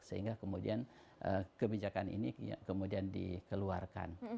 sehingga kemudian kebijakan ini kemudian dikeluarkan